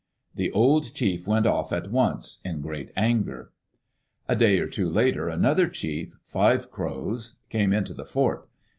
The old chief went off at once in great anger. A day or two later another chief, Five Crows, came into, the fort.